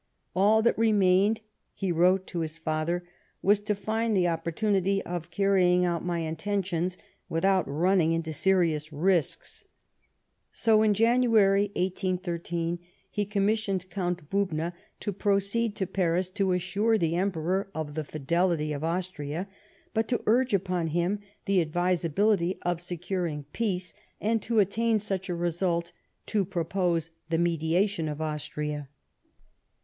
" All that re mained," he wrote to his father, *' was to find the oppor tunity of carrying out my intentions without running any serious risks." So, in January, 1813, he commissioned Count Bubna to proceed to Paris to assure the Emperor of the fidelity of Austria, but to urge upon him the advisa bility of securing peace, and, to attain such a result, to propose the mediation of Austria.